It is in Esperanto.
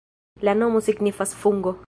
La nomo signifas: fungo.